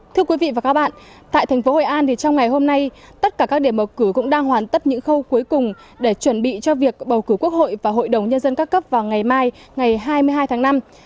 thưa quý vị và các bạn tại thành phố hội an trong ngày hôm nay tất cả các điểm bầu cử cũng đang hoàn tất những khâu cuối cùng để chuẩn bị cho việc bầu cử quốc hội và hội đồng nhân dân các cấp vào ngày mai ngày hai mươi hai tháng năm